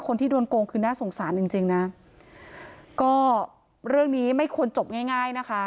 คนที่โดนโกงคือน่าสงสารจริงจริงนะก็เรื่องนี้ไม่ควรจบง่ายง่ายนะคะ